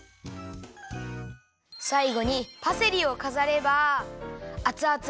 さいごにパセリをかざればあつあつ